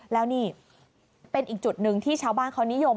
แล้วนี่เป็นอีกจุดหนึ่งที่ชาวบ้านเขานิยม